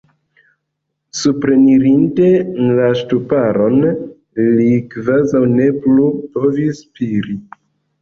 Suprenirinte la ŝtuparon, li kvazaŭ ne plu povis spiri.